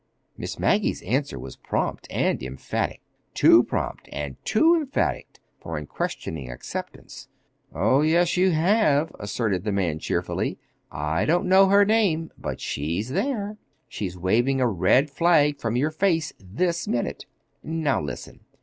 Miss Maggie's answer was prompt and emphatic—too prompt and too emphatic for unquestioning acceptance. "Oh, yes, you have," asserted the man cheerfully. "I don't know her name—but she's there. She's waving a red flag from your face this minute! Now, listen.